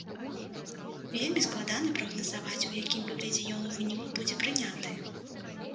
Вельмі складана прагназаваць, у якім выглядзе ён у выніку будзе прыняты.